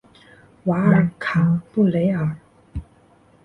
瓦尔卡布雷尔。